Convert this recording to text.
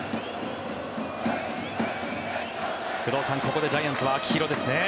工藤さん、ここでジャイアンツは秋広ですね。